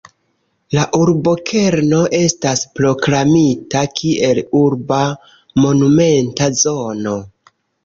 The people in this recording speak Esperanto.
La urbokerno estas proklamita kiel urba monumenta zono.